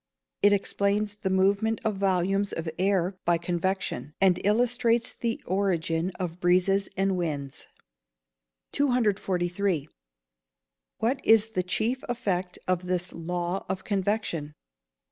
_ It explains the movement of volumes of air by convection, and illustrates the origin of breezes and winds. 243. _What is the chief effect of this law of convection?